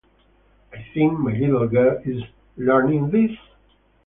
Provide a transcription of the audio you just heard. I think my little girl is learning this?